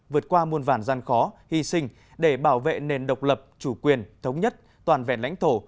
vượt qua muôn vàn gian khó hy sinh để bảo vệ nền độc lập chủ quyền thống nhất toàn vẹn lãnh thổ